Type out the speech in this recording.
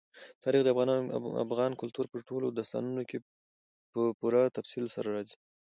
تاریخ د افغان کلتور په ټولو داستانونو کې په پوره تفصیل سره راځي.